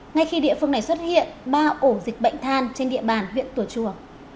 ngay khi địa phương này xuất hiện ba ổ dịch bệnh than trên địa bàn huyện tùa chùa